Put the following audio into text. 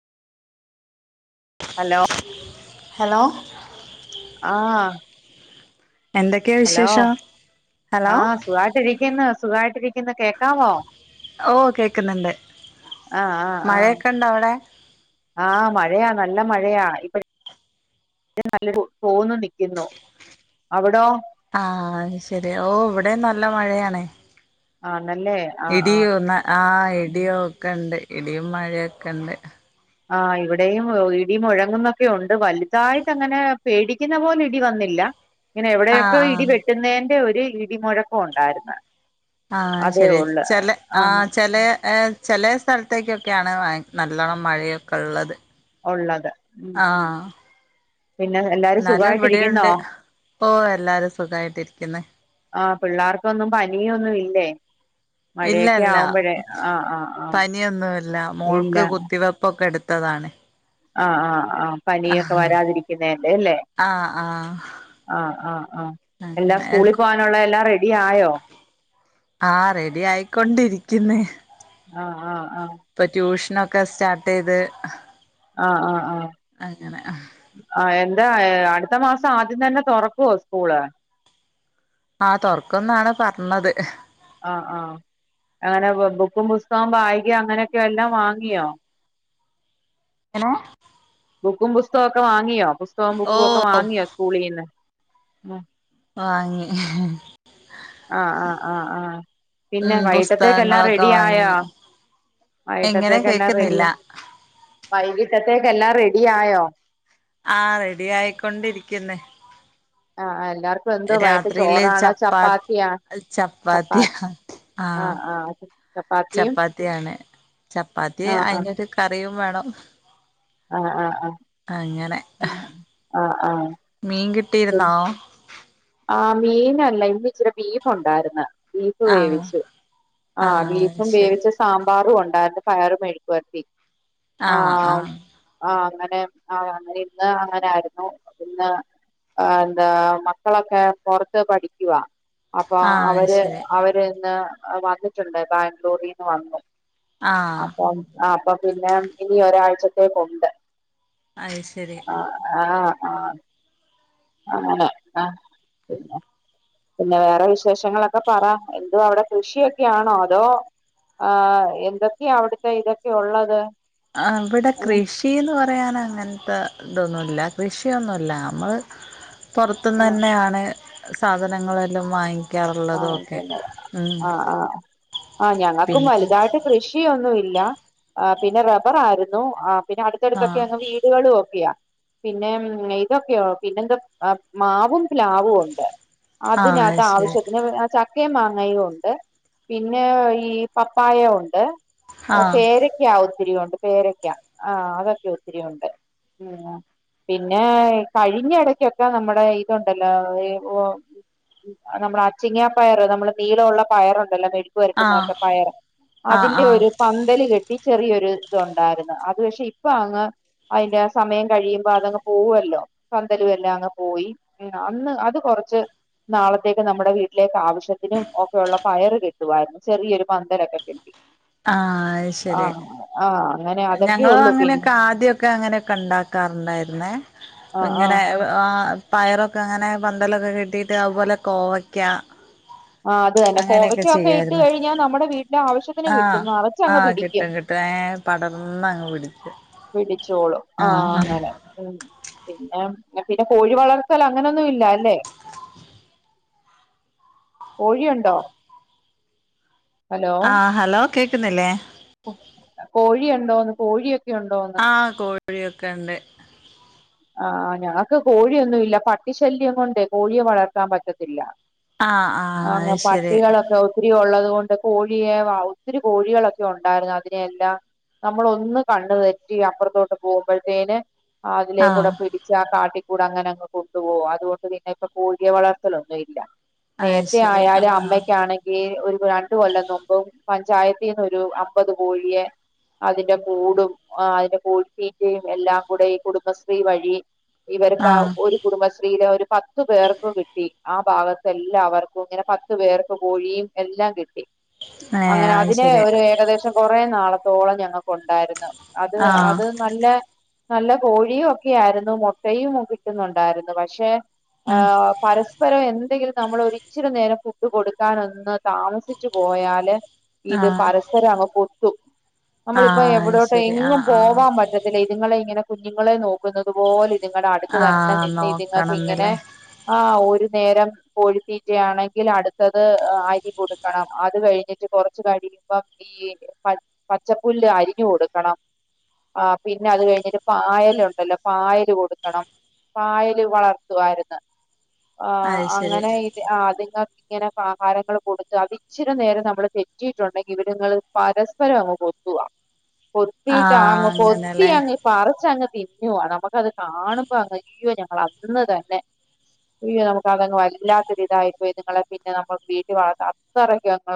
Hello hello ആഹ് എന്തെക്കെ hello വിശേഷം ഹലോ ആഹ് സുഖായിട്ടിരിക്ക്ന്ന് സുഖായിട്ടിരിക്ക്ന്ന് കേക്കാമോ ഓ കേക്കുന്നുണ്ട് ആഹ് ആഹ് ആഹ് മഴയൊക്കെ ഉണ്ട അവിടെ ആഹ് മഴയാ നല്ല മഴയാ ഇപ്പ ഴ് നല്ല തോന്നു നിക്കുന്നു അവിടോ ആഹ് അത് ശരി ഓഹ് ഇവിടേം നല്ല മഴയാണ്. ആന്നല്ലേ ആഹ് ആഹ് ഇടിയോ ആഹ് ഇടിയോ ഒക്കെണ്ട് ഇടിയും മഴയൊക്കെണ്ട്. ആഹ് ഇവിടെയും ഇടി മുഴങ്ങുന്നൊക്കെണ്ട് വലുതായിട്ടങ്ങനെ പേടിക്കുന്ന പോലെ ഇടി വന്നില്ല. ഇങ്ങനെ ആഹ് എവിടെയൊക്കെ ഇടി ആഹ് വെട്ടുന്നതിന്റെ ഒരു ഇടിമുഴക്കം ഉണ്ടാരുന്ന്. ആഹ് ശരി ചെല ആഹ് ചിലേ ഏഹ് ചെലേ സ്ഥലത്തേക്കൊക്കെയാണ് ബ നല്ലോണ്ണം മഴയൊക്കെള്ളത്. ഒള്ളത് മ് മ് പിന്നെ എല്ലാരും എന്നാലും സുഖായിട്ട് ഇരിക്കുന്നോ? ഇവിടെയുണ്ട് ഓ എല്ലാരും സുഖായിട്ടിരിക്കുന്നു ആഹ് പിള്ളാർക്കൊന്നും പനിയൊന്നും ഇല്ലേ ഇല്ല മഴയൊക്കെ ഇല്ല ആവുമ്പഴേ ആഹ് ആഹ് ആഹ് പനിയൊന്നുമില്ല ഇല്ല ട്ടതാണ്. ആഹ് ആഹ് ആഹ് പനിയൊക്കെ വരാതിരിക്കുന്നേന്റെ ല്ലേ ആഹ് ആഹ് ആഹ് ആഹ് ആഹ് എല്ലാ അങ്ങനെ സ്കൂളിൽ പോവാനുള്ള എല്ലാം റെഡിയായോ? ആഹ് റെഡിയായിക്കൊണ്ടിരിക്കുന്ന് ആഹ് ആഹ് ആഹ് ഇപ്പൊ ട്യൂഷനൊക്കെ സ്റ്റാർട്ട്യ്ത് ആഹ് ആഹ് ആഹ് ആഹ് എന്താ അടുത്ത മാസം ആദ്യം തന്നെ തൊറക്കോ സ്കൂള് ആഹ് തൊറക്കുന്നാണ് പറഞ്ഞത് ആഹ് ആഹ് അങ്ങനെ ബുക്കും പുസ്തകം ബാഗ് അങ്ങനെയൊക്കെ എല്ലാം വാങ്ങിയോ ങ്ങനെ ബുക്കും പുസ്തകമൊക്കെ വാങ്ങിയോ പുസ്തകവും ബുക്കും ഒക്കെ ഓഹ് വാങ്ങിയോ സ്കൂളിന്ന് ഉം വാങ്ങി ആഹ് ആഹ് ആഹ് ആഹ് പിന്നെ ഉം വൈട്ടത്തേക് എല്ലാം പുസ്തകങ്ങളൊക്കെ റെഡിയായോ? വാങ്ങി എങ്ങനെ വൈട്ടത്തേക്കെല്ലാം റെഡി കേക്കുന്നില്ല വൈകിട്ടത്തേക്കെല്ലാം റെഡിയായോ? ആഹ് റെഡിയായിക്കൊണ്ടിരിക്കുന്ന് ആഹ് ആഹ് എല്ലാർക്കും എന്തോ വൈട്ട് രാത്രിയില് ചോറാണോ ചപ്പാ ചപ്പാത്തിയാ ചപ്പാ ചപ്പാത്തിയ ആഹ് ആഹ് ചപ്പാത്തിയും ചപ്പാത്തിയാണ് ചപ്പാത്തി ആഹ് ആഹ് അയിനൊരു കറിയും വേണം. ആഹ് ആഹ് ആഹ് അങ്ങനെ ആഹ് ആഹ് മീൻ കിട്ടിയിരുന്നാ? ആ മീനല്ല ഇന്നിച്ചിരി ബീഫ് ഒണ്ടാരുന്ന്. ബീഫ് ആഹ് വേവിച്ചു. ആ ആഹ് അത് ബീഫും ശരി വേവിച്ച് സാമ്പാറും ഒണ്ടായിരുന്ന് പയറ് മെഴുക്കുവരട്ടി ആഹ്. ആഹ് അങ്ങനെ ആഹ് അങ്ങനെ ഇന്ന് അങ്ങനാരുന്നു ഇന്ന് എന്താ മ ക്കളൊക്കെ പൊറത്ത് പഠിക്കുവാ. അപ്പൊ ആഹ് അത് അവര് ശരി അവരിന്ന് വന്നി ട്ടുണ്ട്. ബാംഗ്ലൂരീന്ന് വന്നു. ആഹ് അപ്പം ആഹ് അപ്പൊപിന്നെ ഇനി ഒരാഴ്ചത്തേക്കുണ്ട്. അയ് ശരി. ആഹ് ആഹ്. ആങ്ങനെ ആ പിന്നെ പിന്നെ വേറെ വിശേഷങ്ങളൊക്കെ പറ. എന്തുവാ അവടെ കൃഷിയൊക്കെയാണോ അതോ ആ എന്തൊക്കെയാ അവിടുത്തെ ഇതൊക്കെ ഉള്ളത് അവിട ഏ കൃഷ് ഷീന്ന് പറയാൻ അങ്ങനത്തെ ഇതൊന്നുല്ല കൃഷിയൊന്നുല്ല നമ്മള് ആ പൊറത്തുന്നന്നെയാണ് സാധനങ്ങളെല്ലാം വാങ്ങിക് വാങ്ങിക്കിന്നത് ആഹ് ആഹ് ആഹ് ഞങ്ങക്കും പിന്നെ വലുതായ്ട്ട് കൃ ഷിയൊന്നും ഇല്ല പിന്നെ റബർ ആയിരുന്നു പിന്നെ അടുത്തടുത്തൊക്കെ ആഹ് അങ്ങ് വീട് ടുകളും ഒക്കിയാ പിന്നെ ഇതൊക്കെയോ പിന്നെന്താ മാവും പിലാവും ഉണ്ട് ആഹ് അത് അതിനത് ശരി ആവശ്യത് പിന്നെ ചക്കയും മാങ്ങയും ഉണ്ട് പിന്നെ ഈ പപ്പായയുണ്ട് ആഹ് പേരക്കാ ഒത്തിരിയുണ്ട് പേരക്ക ആ അതൊക്കെ ഒത്തിരിയുണ്ട് ഉം പിന്നെ കഴിഞ്ഞ എടക്കൊക്കെ നമ്മടെ ഇതുണ്ടല്ലോ ഓ നമ്മള അ ച്ചിങ്ങാപ്പയറ് നമ്മള് നീളവുള്ള പയറുണ്ടല്ലോ മെഴുക്കു ആഹ് വരട്ടുന്നൊക്കെ പയർ ആഹ് അതിന്റെ ആഹ് ഒരു പന്തല് കെട്ടി ചെറിയൊരു ഇതുണ്ടാരുന്ന് അത് പക്ഷെ ഇപ്പൊ അങ്ങ് അയിന്റെ സമയം കഴിയുമ്പോ അതങ്ങ് പോവുവല്ലോ പന്തലുവെല്ലാം അങ്ങ് പോയി അന്ന് അത് കൊറച്ച് നാളത്തേക്ക് നമ്മുടെ വീട്ട് ലേക്ക് ആവശ്യത്തിനും ഒക്കെയുള്ള പയറ് കിട്ടുവായിരുന്നു ചെറിയൊരു പന്തലൊക്കെ കിട്ടി ആഹ് അത് ശരി ആഹ് ആഹ് അങ്ങനെ അതൊക്കെ ഞങ്ങളു ഉള്ളു പിന്നെ അങ്ങനെയൊക്കെ ആദ്യൊക്കെ അങ്ങനെയൊക്കെ ഇണ്ടാക്കാറുണ്ടായിരുന്നേ ആഹ് ഇങ്ങനെ ആഹ് ആഹ് പയറൊക്കെ അങ്ങനെ പന്തലൊക്കെ കെട്ടിയിട്ട് അതുപോലെ കോവയ്ക്ക ആ അത് തന്നെ അങ്ങനെയൊക്കെ കോവയ്ക്കൊക്കെ ഇട്ട് ചെയ്യായിരുന്നു കഴിഞ്ഞാ നമ്മുടെ വീട്ടിലെ ആവശ്യത്തിന് കിട്ടും നെറച്ചങ്ങ് പിടിക്കും പ്പളേ പടന്നങ്ങ് പിടിച്ച് പിടിച്ചോളും ആഹ് അങ്ങനെ ഉം പിന്നെ പിന്നെ കോഴി വളർത്തൽ അങ്ങനൊന്നും ഇല്ലാല്ലേ കോഴിയുണ്ടോ ആഹ് ഹലോ കേക്കുന്നില്ലേ കോഴി ഉണ്ടോന്നു കോഴിയൊക്കെ ഉണ്ടോന്ന് ആഹ് കോഴിയൊക്കെ ഇണ്ട് ആഹ് ഞങ്ങക്ക് കോഴിയൊന്നു ഇല്ല പട്ടിശല്യം കൊണ്ടേ കോഴിയെ വളർത്താൻ പറ്റത്തില്ല ആഹ് ആഹ് അങ്ങ് അത് ശരി പട്ടികളൊക്കെ ഒത്തിരി ഒള്ളത് കൊണ്ട് കോഴിയെ ഒത്തിരി കോഴികളൊക്കെ ഒണ്ടായിരുന്നു അതിനെയെല്ലാം നമ്മളൊന്ന് കണ്ണു തെറ്റി അപ്പൊറത്തോട്ട് പോകുമ്പോഴത്തേന് അതിലേകോടെ ആഹ് പിടിച്ച് ആ കാട്ടി കൂടെ അങ്ങനെ അങ്ങ് കൊണ്ടുപോവ അതുകൊണ്ട് പിന്നെ ഇപ്പൊ കോഴിയെ വളർത്തലൊന്നും ഇല്ല അത് നേരത്തെ ശരി ആയാലും ആഹ് അമ്മക്കാണെ ങ്കി ഒരു രണ്ട് കൊല്ലം മുമ്പും പഞ്ചായത്തിന്ന് ഒരു അമ്പത് കോഴിയെ അതിന്റെ കൂടും അതിന്റെ കോഴിതീറ്റയും എല്ലാം കൂടെ ഈ കുടുംബ ശ്രീ വഴി ഇവർക്ക് ആഹ് ഒരു കുടുംബശ്രീയിലെ ഒരു പത്തു പേർക്കു കിട്ടി ആ ഭാഗത്ത് എല്ലാവർക്കും ഇങ്ങനെ പത്തു പേർക്ക് കോഴിയും എല്ലാം കിട്ടി ഏഹ് അങ്ങനെ അത് അതിനെ ശരി ഒരു ഏകദേശം കൊറേ നാളത്തോളം ഞങ്ങക്ക് ഉണ്ടായിരുന്നു അത് ആഹ് അത് നല്ല നല്ല കോഴിയൊ ക്കെ ആയിരുന്നു മുട്ടയും കിട്ടുന്നുണ്ടായിരുന്നു പക്ഷെ ആ ഉം പരസ് പരം എന്തെങ്കിലും നമ്മൾ ഒരിച്ചിരി നേരം ഫുഡ് കൊടുക്കാനൊന്ന് താമസിച്ചു പോയാല് ഇത് ആഹ് പരസ്പരം അങ്ങ് കൊത്തും നമ്മളിപ്പോ ആഹ് അത് എവിടോട്ട് ശരി എങ്ങും ആഹ് ആഹ് പോവാൻ പറ്റ ഇതുങ്ങളെ ഇങ്ങനെ കുഞ്ഞുങ്ങളെ നോക്കുന്നുന്നത് പോലെ ഇത്ങ്ങടെ അടുത്ത് തന്നെ ആഹ് നിന്ന് ഇതുങ്ങക്ക് ഇങ്ങനെ നോക്കണംന്നില്ലേ ആ ഒരു നേരം കോഴിത്തീറ്റയാണെങ്കിൽ അടുത്തത് അരി കൊടുക്കണം അത് കഴിഞ്ഞിട്ട് കൊറച്ച് കഴിയിമ്പം ഈ പ പച്ചപ്പുല്ല് അരിഞ്ഞു കൊടുക്കണം ആ പിന്നെ അത് കഴിഞ്ഞിട്ട് പായലു ണ്ടല്ലോ പായല് കൊടുക്കണം പായല് വളർത്തു വാരുന്ന ആ അത് ശരി അങ്ങനെ ഇത് അതിങ്ങ ഇങ്ങനെ ആഹാരങ്ങൾ കൊടുത്ത് അത് ഇച്ചിരി നേരം നമ്മള് തെറ്റിയിട്ടുണ്ടെങ്കി ഇവരിങ്ങള് പരസ്പരം അങ്ങ് കൊ ക്കുവ ആഹ് കൊത്തിട്ടാങ്ങ് കൊത്തി അങ്ങനെല്ലേ അങ്ങ് പറിച്ച് അങ്ങ് തി നമുക്കത് കാണുമ്പോ അങ്ങ് അയ്യോ ഞങ്ങൾ അന്ന് തന്നെ അയ്യോ നമുക്ക് അതങ് വല്ലാത്തോരിതായിപ്പോയി നിങ്ങളെ പിന്നെ നമ്മളെ വീട്ടിൽ വളർത്ത അത്രക്ക് ഞങ്ങള്